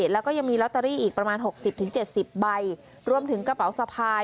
แล้วก็ยังมีล็อตเตอรี่อีกประมาณหกสิบถึงเจ็ดสิบใบรวมถึงกระเป๋าสะพาย